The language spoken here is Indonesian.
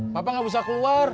papa gak bisa keluar